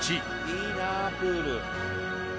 いいなプール。